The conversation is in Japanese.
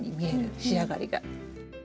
仕上がりが。